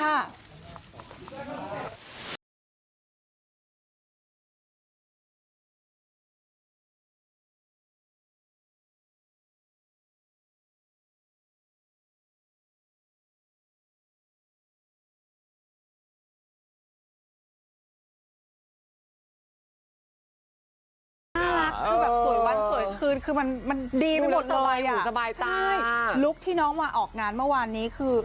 ทางงานหน้าจากสี่นาทีและเจ้าขนาดนั้นฮุ่นเด้าทำให้เพียบของสารราคมน้องไกล